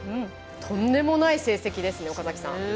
とんでもない成績ですね岡崎さん。